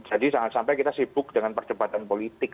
jadi jangan sampai kita sibuk dengan percepatan politik